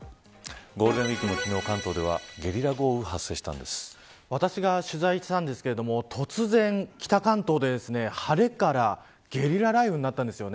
ゴールデンウイークの昨日関東では私が取材したんですけれども突然、北関東で晴れからゲリラ雷雨になったんです。